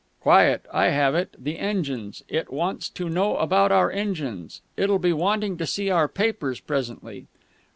"Quiet, I have it; the engines; it wants to know about our engines. It'll be wanting to see our papers presently.